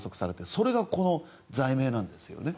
それがこの罪名なんですよね。